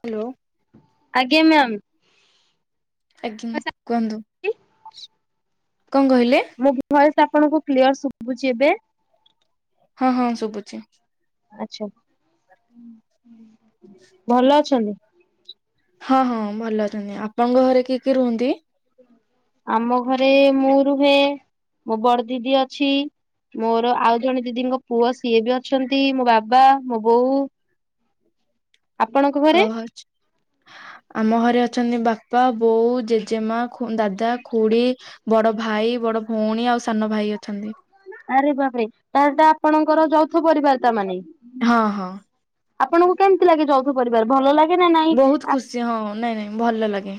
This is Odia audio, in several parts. ହାଲୋ। ଆଜ୍ଞା ମ୍ୟାମ୍। ଆଜ୍ଞା କୁହନ୍ତୁ, କଁ କହିଲେ? ମୋ ଭଏସ୍ ଆପଣଙ୍କୁ କ୍ଲିୟର ଶୁଭୁଛି ଏବେ? ହଁ -ହଁ ଶୁଭୁଛି। ଆଚ୍ଛା ଭଲ ଅଛନ୍ତି। ହଁ- ହଁ ଭଲ ଅଛନ୍ତି। ଆପଣଙ୍କ ଘରେ କିଏ କିଏ ରୁହନ୍ତି? ଆମ ଘରେ ମୁଁ ରୁହେ, ମୋ ବଡ ଦିଦି ଅଛି। ମୋର ଆଉ ଜଣେ ଦିଦିଙ୍କ ପୁଅ ସିଏ ବି ଅଛନ୍ତି, ମୋ ବାବା, ମୋ ବୋଉ। ଆପଣଙ୍କ ଘରେ? କଁରୁଚ୍ ଆମ ଘରେ ଅଛନ୍ତି ବାପା, ବୋଉ, ଜେଜେମା। ଦାଦା, ଖୁଡି, ବଡ ଭାଇ, ବଡ ଭଉଣୀ ଆଉ ସାନ ଭାଇ ଅଛନ୍ତି। ଆରେ ବାପ୍ ରେ ତା ଟା ଆପଣଙ୍କର ଯୌଥ ପରିବାର ତାମାନେ। ହଁ -ହଁ। ଆପଣଙ୍କୁ କେମିତି ଲାଗେ ଯୋଉ ଯୌଥ ପରିବାର ଭଲ ଲାଗେ ନା ନାଇଁ ବହୁତ ଆ ଖୁସି ହଁ ନାଇଁ ନାଇଁ ଭଲ ଲାଗେ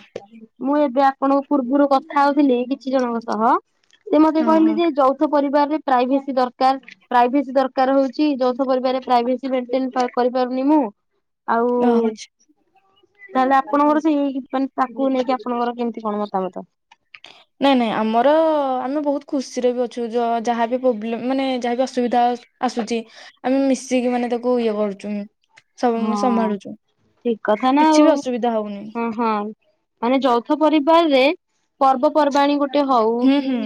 ମୁଁ ଏବେ ଆପଣଙ୍କ ପୂର୍ବରୁ କଥା ହଉଥିଲି କିଛି ଜଣଙ୍କ ସହ ସେ ମତେ ହଁ କହିଲେ ହଁ ଯେ ଯୌଥ। ପରିବାର ରେ ପ୍ରାଇଭେସି ଦରକାର୍। ପ୍ରାଇଭେସି ଦରକାର୍ ହୋଉଛି। ଯୌଥ ପରିବାର ରେ ପ୍ରାଇଭେସି ମେଣ୍ଟେନେ କରିପାରୁନି ମୁଁ। ଆଉ-ଉ ରହୁଛି। ତାହେଲେ ଆପଣଙ୍କର ସେଇ ତାକୁ ନେଇକି ଆପଣଙ୍କର କେମିତି କଣ ମତାମତ। [unintelligible] ନାଇଁ ନାଇଁ ଆମର ଆମେ ବୋହୁତ୍ ଖୁସିରେ ବି ଅଛୁ, ଯାହାବି ପ୍ରୋବ୍ଲେମ୍ ମାନେ ଯାହାବି ଅସୁବିଧା। ଆସୁଛି ଆମେ ମିଶିକି ମାନେ ତାକୁ ଇଏ କରୁଛୁ ସବୁ ହଁ ସମ୍ଭାଳୁଛୁ ଠିକ କଥା ନା କିଛି ଆଉ ବି ଅସୁବିଧା ହଉନି। ହଁ ହଁ ମାନେ ଯୌଥ ପରିବାରରେ ପର୍ବପର୍ବାଣୀ ଗୋଟେ ହଉ ହୁଁ କି ହୁଁ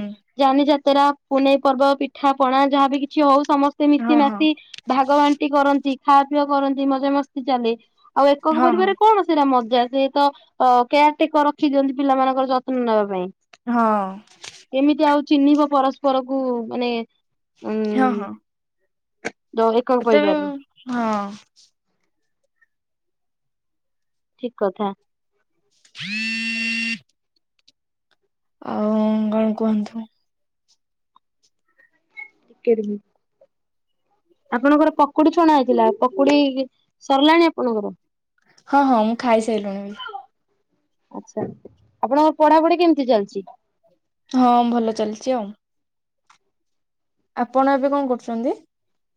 ଯାନି ଯାତ୍ରା ପୁନେଇ ପର୍ବ ପିଠା ପଣା ଯାହାବି କିଛି ହଉ ସମ ତେ ହଁ ମିଶି ହଁ ମାସି ଭାଗ ବାଣ୍ଟି କରନ୍ତି ଖାପିଅ କରନ୍ତି ମଜା ମସ୍ତି ଚାଲେ। ଆଉ ଏକକ ହଁ ପରିବାରେ ହଁ କଣ ସେଇଟା ମଜା ସେ ତ ଅ କେୟାର ଟେକର ରଖି ଦିଅନ୍ତି ପିଲାମାନଙ୍କର ଯତ୍ନ ନେବା ପାଇଁ। ହଁ। କେମିତି ଆଉ ଚିହ୍ନିବ ପରସ୍ପରକୁ ମାନେ ହଁ-ହଁ। ଉଁ ଏକକ ଏତେ ପରିବାରରେ ବି ହଁ ଠିକ୍ କଥା। [unintelligible] ଆଉ କଣ କୁହନ୍ତୁ? [unintelligible] ଆପଣଙ୍କର ପକୁଡି ଛଣା ହେଇଥିଲା ପକୁଡି ସରିଲାଣି ଆପଣଙ୍କର। ହଁ ହଁ ମୁଁ ଖାଇସାରିଲୁଣି ବି। ଆଚ୍ଛା ଆପଣଙ୍କ ପଢାପଢି କେମିତି ଚାଲିଚି? ହଁ ଭଲ ଚାଲିଚି ଆଉ। ଆପଣ ଏବେ କଣ କରୁଚନ୍ତି?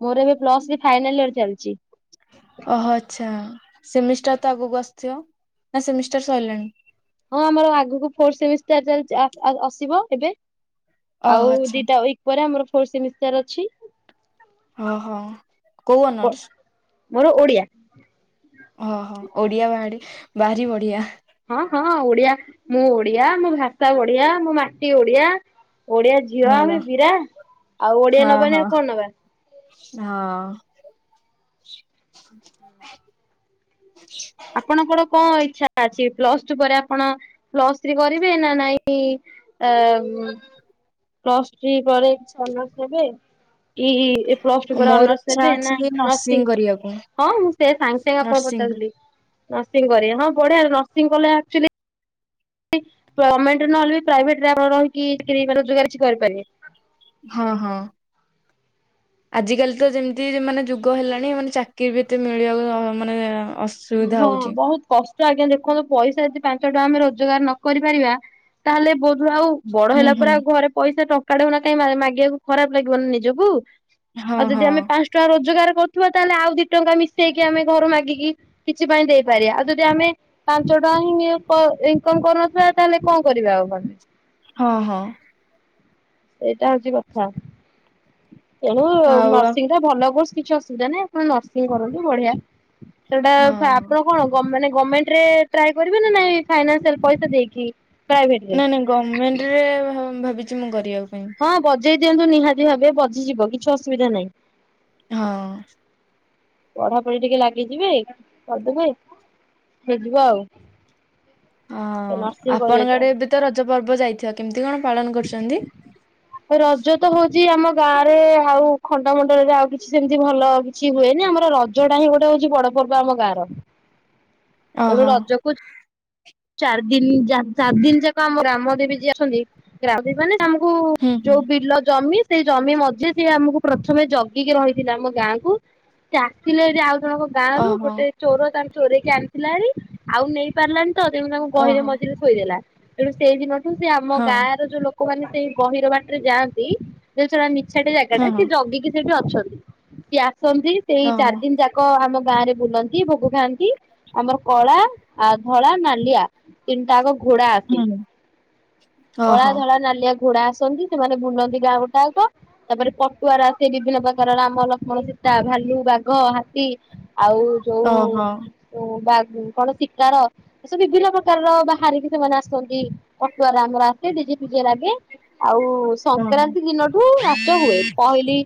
ମୋର ଏବେ ପ୍ଲସ୍ ଥ୍ରୀ ଫାଇନାଲ୍ ଇୟର ଚାଲିଛି। ଓହୋ ଆଚ୍ଛା ସେମିଷ୍ଟାର ତ ଆଗକୁ ଆସିଥିବ ନା ସେମିଷ୍ଟାର ସଇଲାଣି। ହଁ ଆମର ଆଗକୁ ଫୋର୍ ସେମିଷ୍ଟାର୍ ଚାଲିଚି ଆସିବ ଏବେ ଓହୋ ଆଉ ଆଚ୍ଛା ଦିଟା ଉଇକ୍ ପରେ ଆମର ଫୋର୍ ସେମିଷ୍ଟାର ଅଛି। ଓହୋ କୋଉ ଅନର୍ସ? ମୋର ଓଡିଆ। ଓହୋ ଓଡିଆ ବାଡି ଭାରି ବଢିଆ। ହଁ ହଁ ଓଡିଆ ମୁଁ ଓଡିଆ ମୋ ଭାଷା ଓଡିଆ ମୋ ମାଟି ଓଡିଆ। ଓଡିଆ ଝିଅ ଭଲ ଆମେ ବିରା ଆଉ ଓଡିଆ ହଁ ନବାନି ହଁ ଆଉ କଣ ନବା। ହଁ। [unintelligible] ଆପଣଙ୍କର କଣ ଇଚ୍ଛା ଅଛି ପ୍ଲସ୍ ଟୁ ପରେ ଆପଣ ପ୍ଲସ୍ ଥ୍ରୀ କରିବେ ନା ନାଇଁ। ଆ ପ୍ଲସ ଥ୍ରୀ ପରେ କିଛି ଆନରସ୍ ନେବେ କି ଏ ପ୍ଲସ ଟୁ ପରେ ମୋର ଅନର୍ସ ଇଚ୍ଛା ନେବେ ନା ଅଛି ନର୍ସିଂ କରିବାକୁ ହଁ ମୁଁ ସେ ସାଙ୍ଗେ ସାଙ୍ଗେ ଆପଣଙ୍କୁ ନର୍ସିଂ ପଚାରୁଥିଲି। ନର୍ସିଂ କରି ହଁ ବଢିଆ ନର୍ସିଂ କଲେ ଆକ୍ଚୁଆଲି ଗମେଣ୍ଟରେ ନହେଲେ ବି ପ୍ରାଇଭେଟ୍ ରେ ଆପଣ ରହିିକି ଚାକିରି ମାନେ ରୋଜଗାର କିଛି କରିପାରିବେ। ହଁ-ହଁ। ଆଜିକାଲି ତ ଯେମିତି ମାନେ ଯୁଗ ହେଲାଣି ଏ ମାନେ ଚାକିର ବି ଏତେ ମିଳିବା ମାନେ ଅସ୍ ହଁ ବହୁତ୍ କଷ୍ଟ ଆଜ୍ଞା ଦେଖନ୍ତୁ ପଇସା ଯଦି ପାଞ୍ଚ ଟଙ୍କା ଆମେ ରୋଜଗାର ନ କରିପାରିବା ତା ହେଲେ ବୋଧହୁଏ ଆଉ ବଡ ହୁଁ ହେଲା ହୁଁ। ପରେ ଆଉ ଘରେ ପଇସା ଟଙ୍କାଟେ ବି ହେଉ ନା କାଇଁ ମାଗିବାକୁ ଖରାପ ଲାଗିବନା ନିଜକୁ। ହଁ ଆଉ ହଁ ଯଦି ଆମେ ପାଞ୍ଚ ଟଙ୍କା ରୋଜଗାର କରୁଥିବା ତାହେଲେ ଆଉ ଦି ଟଙ୍କା ମିଶେଇକି ଆମେ ଘରୁ ମାଗିକି କିଛି ପାଇଁ ଦେଇପାରିବା ଆଉ ଯଦି ଆମେ ପାଞ୍ଚ ଟଙ୍କା ହିଁ ଇନକମ୍ କରୁନଥିବା ତାହେଲେ କଣ କରିବା ଆଉ ଆମେ? ହଁ ହଁ। ସେଇଟା ହଉଚି କଥା ତେଣୁ ଆଉ ହଁ। ନର୍ସିଂ ଟା ଭଲ କୋର୍ସ କିଛି ଅସୁବିଧା ନାହିଁ ଆପଣ ନର୍ସିଂ କରନ୍ତୁ ବଢିଆ। ସେଇଟା ଫା-ଆପଣ କଣ ଗମ୍ ମାନେ ଗମେଣ୍ଟରେ ଟ୍ରାଏ କରିବେ ନା ନାଇଁ ଫଇନାନ୍ସିଆଲ ପଇସା ଦେଇକି? ପ୍ରାଇଭେଟ ରେ ନାଇଁ ନାଇଁ ଗମେଣ୍ଟରେ ଭାବ-ଭାବିଚି ମୁଁ କରିବା ପାଇଁ। ହଁ ବଜେଇ ଦିଅନ୍ତୁ ନିହାତି ଭାବେ ବଜିିଯିବ କିଛି ଅସୁବିଧା ନାହିଁ। ହଁ। ପଢାପଢି ଟିକେ ଲାଗିଯିବେ କରିଦବେ ହେଇଯିବ ଆଉ। ହଁ ନର୍ସିଂ କରିବେ ଆପଣଙ୍କ ତାହେଲେ। ଆଡେ ଏବେତ ରଜ ପର୍ବ ଯାଇଥିବ କେମିତି କଣ ପାଳନ କରୁଚନ୍ତି? ରଜ ତ ହଉଚି ଆମ ଗାଁ ରେ ଆଉ ଖଣ୍ଡମଣ୍ଡଳରେ ଆଉ କିଛି ସେମିତି ଭଲ କିଛି ହୁଏନି ଆମର ରଜଟା ହିଁ ଗୋଟେ ହଉଚି ବଡ ପର୍ବ ଆମ ଗାଁର। [unintelligible] ଏଣୁ ରଜକୁ ଚ୍ [unintelligible] ଚାରି ଦିନ୍ ଯା ଚାରି ଦିନ୍ ଯାକ ଆମ ଗ୍ରାମ ଦେବୀ ଯିଏ ଅଛନ୍ତି ଗ୍ରା--ବୀ ମାନେ ଯିଏ ଆମକୁ ହୁଁ ହୁଁ ଯୋଉ ବିଲ ଜମି ସେଇ ଜମି ମଝିରେ ସିଏ ଆମୁକୁ ପ୍ରଥମେ ଜଗିକି ରହିଥିଲେ ଆମ ଗାଁକୁ। ସିଏ ଆସିଲେ ଏଠି ଆଉ ଜଣକ ଗାଁରୁ ଓହୋ ଗୋଟେ ଚୋର ତାର ଚୋରଇକି ଆଣିଥିଲାହାରି ଆଉ ନେଇ ପାରିଲାନି ତ ତେଣୁ ତାଙ୍କୁ ଗହିର ଓହୋ ମଝିରେ ଥୋଇଦଲା ତେଣୁ ସେଇ ଦିନଠୁ ସେ ଆମ ହଁ ଗାଁର ଯୋଉ ଲୋକମାନେ ସେଇ ଗହିର ବାଟେରେ ଯାଆନ୍ତି ଯୋଉ ଛଡା ନିଛାଟିଆ ଜାଗା ହଁ ଟା ହଁ ସିଏ ଜଗିକି ସେଠି ଅଛନ୍ତି। ସିଏ ଆସନ୍ତି ସେଇ ଓହୋ। ଚାରି ଦିନ ଯା କ ଆମ ଗାଁ ରେ ବୁଲନ୍ତି ଭୋଗ ଖାଆନ୍ତି। ଆମର କଳା ଆ ଧଳା ନାଲିଆ ତିନିଟା ଯାକ ଘୋଡା ଆସେ। ହୁଁ କଳା ଓହୋ ଧଳା ନାଲିଆ ଘୋଡା ଆସନ୍ତି ସେମାନେ ବୁଲନ୍ତି ଗାଁ ଗୋଟାଯାକ। ତାପରେ ପଟୁଆର ଆସେ ବିଭିନ୍ନ ପ୍ରକାର ରାମ ଲକ୍ଷ୍ମଣ ସୀତା ଭାଲୁ ବାଘ ହାତୀ ଆଉ ଓହୋ ଯୋଉ ବା କଣ ଶିକାର ଏସବୁ ବିଭିନ୍ନ ପ୍ରକାରର ବାହାରିକି ସେମାନେ ଆସନ୍ତି ପଟୁଆର ଆମର ଆସେ ଡିଜେ ଫିଜେ ଲାଗେ। ଆଉ ଓହୋ ସଂକ୍ରାନ୍ତି ଦିନଠୁ ନାଚ ହୁଏ ପହିଲି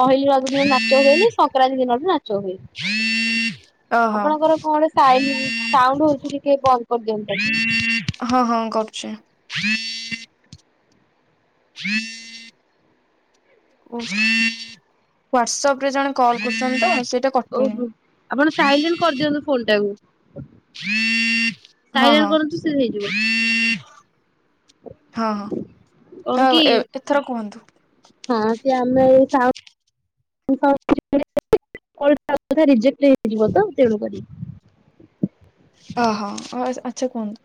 ପହିଲି ରଜ ଦିନ ନାଚ ହୁଏନି ସଂକ୍ରାନ୍ତି ଦିନଠୁ ନାଚ ଚ ହୁଏ। [unintelligible] ଓହୋ। ଆପଣଙ୍କର କଣ ସାଇଲ ସାଉଣ୍ଡ ହଉଛି ଟିକେ ବନ୍ଦ କରିଦିଅନ୍ତୁ ତାକୁ। ହଁ ହଁ କରୁଚି। [unintelligible] ଓ ହ୍ଵାଟସପ୍ ରେ ଜଣେ କଲ୍ କରୁଚନ୍ତି ତଁ ସେଇଟା କଟୁନି ଓହୋ ଆପଣ ସାାଇଲେଣ୍ଟ୍ କରିଦିଅନ୍ତୁ ଫୋନ୍ ଟାକୁ। ହଁ ହଁ ସାଇଲେଣ୍ଟ୍ କରନ୍ତୁ ସେ ହେଇଯିବ। ହଁ କଣ ହଁ କି ହଁ ଏଥର କୁହନ୍ତୁ। ହଁ ସେ ଆମେ ସା [inaudible] ରିଜେକ୍ଟ୍ ହେଇଯିବତ ତେଣୁକରି। ଓହୋ ଓସ୍ ଆଚ୍ଛା କୁହନ୍ତୁ?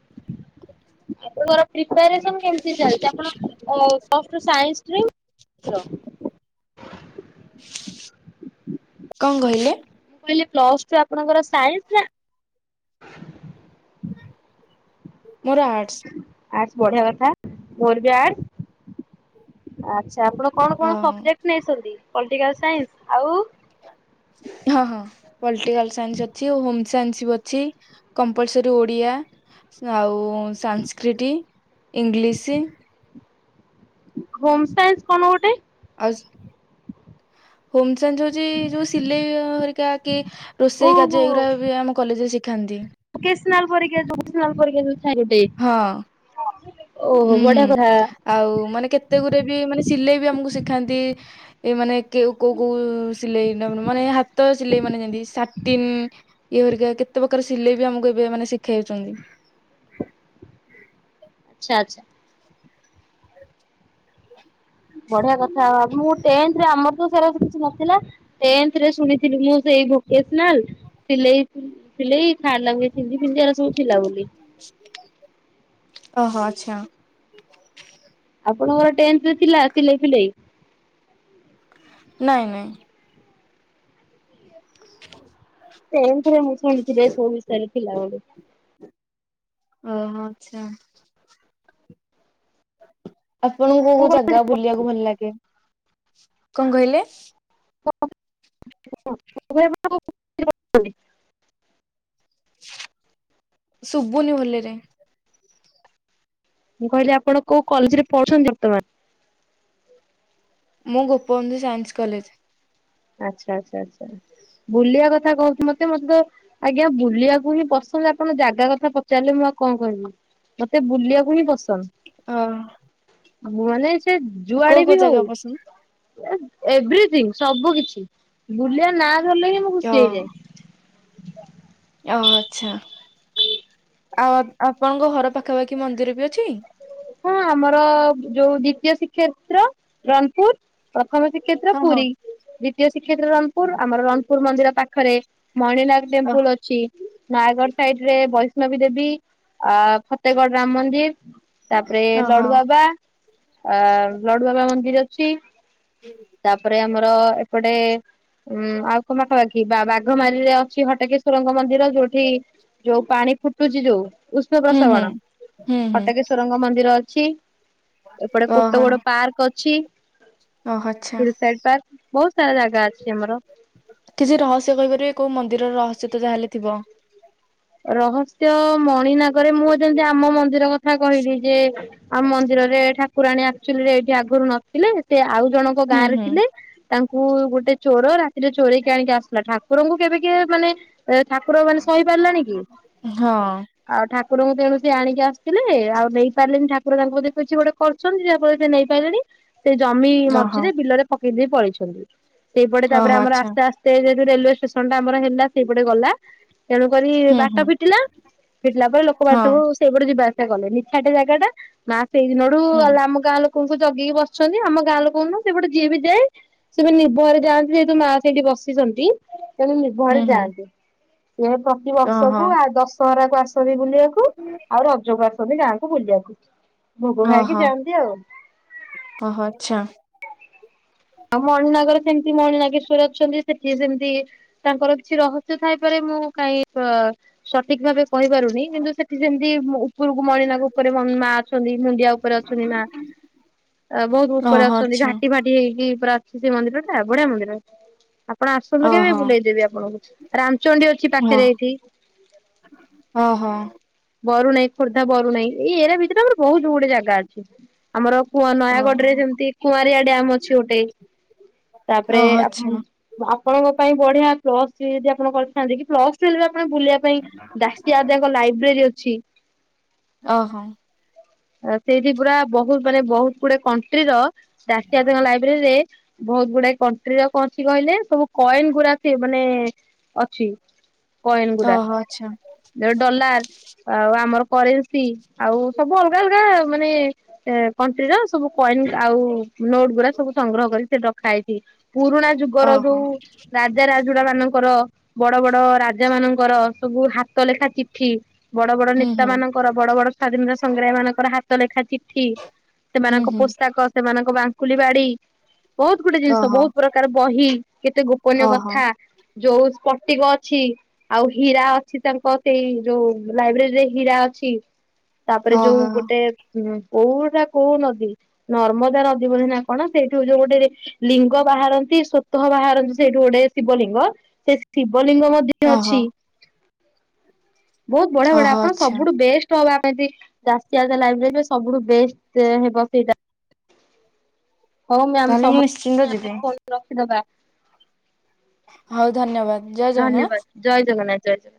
ଆପଣଙ୍କର ପ୍ରିପାରେସନ୍ କେମତି ଚାଲିଚି ଆପଣ ପ୍ଲସ୍ ଟୁ ସାଇନ୍ସ ରେ? ତ୍ର କଣ କହିଲେ ମୁଁ କହିଲି ପ୍ଲସ ଟୁ ଆପଣଙ୍କର ସାଇନ୍ସ ନା। ମୋର ଆର୍ଟସ୍। ଆର୍ଟସ୍ ବଢିଆ କଥା ମୋର ବି ଆର୍ଟସ୍ ଆଛା ଆପଣ। କଣ ଅ କଣ ସବଜେକ୍ଟ ନେଇଛନ୍ତି ପଲିଟିକାଲ ସାଇନ୍ସ ଆଉ? ହଁ ହଁ ପଲିଟିକାଲ ସାଇନ୍ସ ଅଛି ହୋମ ସାଇନ୍ସ ବି ଅଛି। କମ୍ପଲସରୀ ଓଡ଼ିଆ ଆଉ ସାନ୍ସକ୍ରିଟି ଇଂଲିସି। ହୋମ ସାଇନ୍ସ କଣ ଗୋଟେ? ଆଉସ ହୋମ୍ ସାଇନ୍ସ ହୋଉଚ୍। ଯେ ଯୋଉ ସିଲେଇ ହରିକା କି ରୋଷେଇ ଓହୋ କାର୍ଯ୍ୟ ଏଗୁଡା ବି ଆମ କଲେଜରେ ଶିଖାନ୍ତି। ଭୋକେଶ୍ନାଲ ପରୀକ୍ଷା ଯୋଉ ଭୋକେଶ୍ନାଲ୍ ପରୀକ୍ଷା ଯୋଉଥାଏ ଗୋଟେ। ହଁ। ହଁ। ହୁଁ ହୁଁ ଆଉ ମାନେ କେତେ ଗୁରେ ବି ମାନେ ସିଲେଇ ବି ଆମକୁ ଶିଖାନ୍ତି। ଏ ମାନେ କେଉ କୋଉ କୋଉ ସିଲେଇ ନ ମାନେ ହାତ ସିଲେଇ ମାନେ ଯେମତି ସାଟିନ୍, ଇଏ ହରିକା କେତେ ପ୍ରକାର ସିଲେଇ ବି ଆମକୁ ଏବେ ମାନେ ଶିଖେଇ ହେଉଛନ୍ତି। ଆଛା ଆଛା। ବଢିଆ କଥା ମୁଁ ଟେନ୍ଥରେ ଆମର ତ ସେ ଗୁରା କିଛି ନଥିଲା। ଟେନ୍ଥରେ ଶୁଣିଥିଲି ମୁଁ ସେଇ ଭୋକେଶ୍ନାଲ୍ ସିଲେଇ। ସିଲେଇ ଥାର୍ଡ ଲାଙ୍ଗୁଏଜ୍ ହିନ୍ଦୀ ଫିନ୍ଦି ଆର ସବୁ ଥିଲା ବୋଲି। ଅ ହ ଆଚ୍ଛା। ଆପଣଙ୍କର ଟେନ୍ଥ ରେ ଥିଲା ସିଲେଇ ଫିଲେଇ। ନାଇଁ ନାଇଁ। ହଁ। [inaudible] ଟେନ୍ଥ ରେ ମୁଁ ଶୁଣିଥିଲି ଏ ସବୁ ବିଷୟରେ ଥିଲା ବୋଲି। ଓହୋ ଆଛା। ଆପଣଙ୍କୁ କୋଉ କୋଉ ଜାଗା ବୁଲିବାକୁ ଭଲ ଲାଗେ, କଣ କହିଲେ। ହ [unintelligible] ଶୁଭୁନି ଭଲରେ। ମୁଁ କହିଲି ଆପଣ କୋଉ କଲେଜରେ ପଢ଼ୁଛନ୍ତି ବର୍ତ୍ତମାନ। ମୁଁ ଗୋପବନ୍ଧୁ ସାଇନ୍ସ କଲେଜ। ଆଚ୍ଛା ଆଚ୍ଛା ଆଚଛା ବୁଲିବା କଥା କହୁଛି ମତେ ମତେ ତ। ଆଜ୍ଞା ବୁଲିବାକୁ ହିଁ ପସନ୍ଦ ଆପଣ ଜାଗା କଥା ପଚାରିଲେ ମୁଁ ଆଉ କଣ କହିବି। ମତେ ବୁଲିବାକୁ ହିଁ ପସନ୍ଦ। ଅ। ମାନେ ସେ ଯୁଆଡେ ବି କୋଉ ହଉ। ଜାଗା ପସନ୍ଦ? ଏଭ୍ରିଥିଙ୍ଗ ସବୁ କିଛି ବୁଲିଆ ନା ଧରିଲେ ହିଁ ମୁଁ ଖୁସି ହେଇଯାଏ। ଅ ହ ଆଛା। ଏ [inaudible] ଆଉ ଆପଣଙ୍କ ଘର ପାଖା ପାଖି ମନ୍ଦିର ବି ଅଛି। ହଁ ଆମର ଯୋଉ ଦ୍ଵିତୀୟ ସିକ୍ଷେତ୍ର ରଣପୁର ପ୍ରଥମ ଶି। ଶ୍ରୀକ୍ଷେତ୍ର ହଁ ହଁ ପୁରୀ ଦ୍ବିତୀୟ ଶ୍ରୀକ୍ଷେତ୍ର ରଣପୁର ଆମର ରଣପୁର ମନ୍ଦିର ପାଖରେ। ମଣିନାଗ ଓ ଟେମ୍ପୁଲ ଅଛି। ନୟାଗଡ ସାଇଟ ରେ ବୈଷ୍ଣବୀ ଦେବୀ ଆ ଫତେଗଡ୍ ରାମ ମନ୍ଦିର। ତାପରେ ଓହୋ। ଲଡୁବାବା ଆ ଲଡୁବାବା ମନ୍ଦିର ଅଛି। ତାପରେ ଆମର ଏପଟେ ଉଁ ଆଉ କଣ ପାଖା ପାଖି। କି ବା ବାଘ ମାରୀରେ ଅଛି ହଟକେଶ୍ଵରଙ୍କ ମନ୍ଦିର ଯୋଉଠି ଯୋଉ ପାଣି ଫୁଟୁଛି ଯୋଉ। ଉଷ୍ଣ ହୁଁ ପ୍ରସବଣ ହୁଁ। ହୁଁ ହୁଁ। ହଟେକେ ଙ୍କ ମନ୍ଦିର ଅଛି ଏପଟେ ଗୋଟ ଓହୋ ବଡ ପାର୍କ ଅଛି। ଓହୋ ଆଚ୍ଛା ହ ସାଇଡ ପାର୍କ ବହୁତ ସାରା ଜାଗା ଅଛି ଆମର। କିଛି ରହସ୍ୟ କହିପାରିବେ, କୋଉ ମନ୍ଦିରର ରହସ୍ୟ ତ ଯାହାେଲେ ଥିବ। ରହସ୍ୟ ମଣିନାଗରେ ମୁଁ ଯେମିତି ଆମ ମନ୍ଦିର କଥା କହିଲି ଯେ। ଆମ ମନ୍ଦିରରେ ଠାକୁରାଣୀ ଆକ୍ଚୁଆଲି ରେ। ଆଗରୁ ନଥିଲେ ସେ ଆଉ ଜଣଙ୍କ ଗାଁ ହୁଁ ରେ ହୁଁ। ଥିଲେ ତାଙ୍କୁ ଗୋଟେ ଚୋର ରାତି। ରାତିରେ ଚୋରେଇକି ଆଣିକି ଆସିଲା ଠାକୁରଙ୍କୁ କେବେ କିଏ ମାନେ ଠାକୁର ମାନେ ସହି ପାରିଲାଣି। [inaudible] ହଁ ଆଉ ଠାକୁରଙ୍କୁ ତେଣୁ ସେ ଆଣିକି ଆସିଥିଲେ, ଆଉ ନେଇ ପାରିଲେନି, ଠାକୁର ତାଙ୍କ କିଛି ଗୋଟେ। କରୁଛନ୍ତି ଯାହା ଫଳ ରେ ସେ ନେଇପାରିଲେନି। ସେ ଜମି ଓହୋ ମଝିରେ ବିଲରେ ପକେଇ ଦେଇେଇ ପଳେଇଛନ୍ତି, ସେଇପଟେ ତାପରେ ଓହୋ ଆମର ଆଚ୍ଛା। ଆସ୍ତେ ଆସ୍ତେ। ଯେତୁ ରେଲୱେ ଷ୍ଟେସନ ଟା ଆମର ହେଲା ସେଇପଟେ ଗଲା ତେଣୁ କରି। ହୁଁ ବାଟ ହୁଁ ଫିଟିଲା ଫିଟିଲା ପରେ ଲୋକମାନେ ସବୁ। ହୁଁ ସେଇପଟେ ଯିବା ଆସିବା କଲେ ନିଛାଟେ ଜାଗା ଟା ମା ସେଇ ଦିନ ରୁ ଆ ଆମ। ଗାଁ ଲୋକଙ୍କୁ ଜଗେଇକି ବସୁଛନ୍ତି, ଆମ ଗାଁ ଲୋକଙ୍କୁୁ ନୁହେଁ ସେପଟେ ଯିଏ ବି ଯାଏ। ସେମାନେ ନିର୍ଭୟରେ ଯାଆନ୍ତି ଯେହେତୁ ମା ସେଇଠି ବସିଛନ୍ତି। ସେୁ ହୁଁ ନିର୍ଭୟରେ ହୁଁ। ଯାଆନ୍ତି ସେ ପ୍ରତିିବର୍ଷ। ଓହୋ ଦଶହରା କୁ ଆସନ୍ତି ବୁଲିବାକୁ ଆଉ ରଜକୁ ଆସନ୍ତି ଗାଁକୁ ବୁଲିବାକୁ। ଭୋଗ ଖାଇକି ଓହୋ ଯାଆନ୍ତି ଆଉ। ଓହୋ ଆଚ୍ଛା। ଆଉ ମଣିନାଗର ସେମିତି ମଣିନାଗେଶ୍ଵର ଅଛନ୍ତି ସେଠି ସେମିତି। ତାଙ୍କର କିଛି ରହସ୍ୟ ଥାଇପାରେ ମୁଁ କାଇହିଁ ସଠିକ ଭାବେ। କହିପାରୁନି କିନ୍ତୁ ସେଠି ସେମିତି ଉପରକୁ ମଣିନାଗ ଉପରେ ମା ଅଛନ୍ତି ମୁଣ୍ଡିଆ। ଉପରେ ଅଛନ୍ତି ମା ବହୁତ ଉପରେ ଓହୋ ଅଛନ୍ତି ଆଚ୍ଛା ଘାଟି ଫାଟି ହେଇଛି ପୁରା ଅଛି ସେ ମନ୍ଦିର ଟା ବଢିଆ ମନ୍ଦିର ହଁ। ଆପଣ ଆସନ୍ତୁ କେବେ ଓହୋ ବୁଲେଇଦେବି ଆପଣଙ୍କୁ ରାମଚଣ୍ଡୀ ଅଛି ପାଖରେ ଏଇଠି। ଓ ହୋ ବରୁଣେଇ ଖୋର୍ଦ୍ଧା ବରୁଣେଇ ଏଇ ଏରିଆ ଭିତରେ ଆମର ବହୁତ ଗୁଡେ ଜାଗା ଅଛି। ଆମର କୁହ ନୟାଗଡ ରେ ସେମିତି କୁଆଁରିଆ ଡ୍ୟାମ ଅଛି ଗୋଟେ। ତାପରେ ଓହୋ ଆଚ୍ଛା ଆପଣ ଆପଣଙ୍କ ପାଇଁ ବଢିଆ ପ୍ଲସ୍ ଥ୍ରି ଯଦି ଆପଣ କରିଥାନ୍ତେ କି ପ୍ଲସ୍ ଆକଚୁଆଲି ଆପଣ ବୁଲିବା ପାଇଁ ଦାସିଆ ଅଜାଙ୍କ ଲାଇବ୍ରେରୀ ଅଛି। ଓହୋ ଆ ସେଇଠି ପୁରା ବହୁତ ମାନେ ବହୁତ ଗୁଡେ କଣ୍ଟ୍ରି ର ଦାସିଆ ଅଜା ଲାଇବ୍ରେରୀ ରେ। ବହୁତ ଗୁଡାଏ କଣ୍ଟ୍ରିର କଣ ଅଛି କହିଲେ ସବୁ କଏନ ଗୁଡା ମାନେ ଅଛି କଏନ ଗୁଡା ଓହୋ ଆଚ୍ଛା ଯୋଉ ଡଲାର। ଆଉ ଆମର କରେନ୍ସୀ ଆଉ ସବୁ ଅଲଗା ଅଲଗା ମାନେ। ସେ କଣ୍ଟ୍ରି ର ସବୁ କଏନ ଆଉ ନୋଟ ଗୁଡା ସବୁ ସଂଗ୍ରହ କରି ସେଠି ରଖା ହେଇଛି ପୁରୁଣା ଯୁଗର ଓହୋ। ଯୋଉ ରାଜା ରାଜୁଡା ମାନଙ୍କର ବଡ ବଡ ରାଜା ମାନଙ୍କର ସବୁ ହାତ ଲେଖା ଚିଠି। ବଡ ବଡ ହୁଁ ନେତା ହୁଁ ମାନଙ୍କର ବଡ ବଡ ସ୍ଵାଧୀନତା ସଂଗ୍ରାମୀ ମାନଙ୍କର ହାତ ଲେଖା ଚିଠି। ହୁଁ ସେମାନଙ୍କ ହୁଁ ପୋଷାକ ସେମାନଙ୍କ ବାଙ୍କୁଲି ବାଡି। ବହୁତ ଗୁଡେ ଜିନିଷ ଓହୋ ବହୁତ ପ୍ରକାର ବହି କେତେ ଗୋପନୀୟ ଓହୋ କଥା। ଯୋଉ ସ୍ପଟିକ ଅଛି। ଆଉ ହୀରା ଅଛି ତାଙ୍କ ସେଇ ଯୋଉ ଲାଇବ୍ରେରୀରେ ହୀରା ଅଛି। ତାପରେ ଯୋଉ ଓହୋ ଗୋଟେ ହୁଁ କୋଉଟା କୋଉ ନଦୀ ନର୍ମଦା ନଦୀ ବୋଲି ନା କଣ ସେଇଠୁ ଯୋଉ ଗୋଟେ ଲିଙ୍ଗ ବାହାରନ୍ତି ସ୍ୱତଃ ବାହାରନ୍ତି ସେଇଠୁ ଗୋଟେ ଶିବଲିଙ୍ଗ ସେ ଶିବଲିଙ୍ଗ ମ ଧ୍ୟ ଓହୋ ଅଛି। ବହୁତ ବଢିଆ ବଢିଆ ଓହୋ ଆପଣ ଆଚ୍ଛା ସବୁଠୁ ବେଷ୍ଟ [unintelligible] ବା ପାଇଁ ବି ଦାସିଆ ଅଜା ଲାଇବ୍ରେରୀ ରେ ସବୁଠୁ ବେଷ୍ଟ ହେବ ସେଇଟା। ହଉ ମ୍ୟାମ ତାହେଲେ ମୁଁ ନିଶ୍ଚିନ୍ତ ସମସ୍ତେ ଆମେ ଯିବି ଫୋନ୍ ରଖିଦବା। ହଉ ଧନ୍ୟବାଦ ଜୟ ଧନ୍ୟବାଦ ଜଗନ୍ନାଥ। ଜୟ ଜଗନ୍ନାଥ ଜୟ ଜଗନ୍ନା।